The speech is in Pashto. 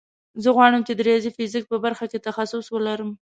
زه غواړم چې د ریاضي او فزیک په برخه کې تخصص ولرم